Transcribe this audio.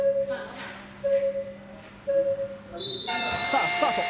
さあスタート。